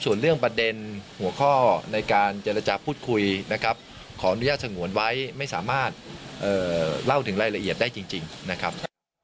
ส่วนเรื่องประเด็นหัวข้อในการเจรจาพูดคุยนะครับขออนุญาตสงวนไว้ไม่สามารถเล่าถึงรายละเอียดได้จริงนะครับ